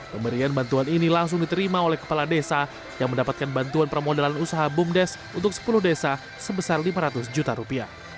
pemberian bantuan ini langsung diterima oleh kepala desa yang mendapatkan bantuan permodalan usaha bumdes untuk sepuluh desa sebesar lima ratus juta rupiah